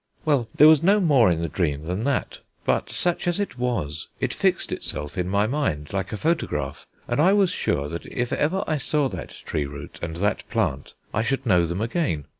Well, there was no more in the dream than that: but, such as it was, it fixed itself in my mind like a photograph, and I was sure that if ever I saw that tree root and that plant, I should know them again.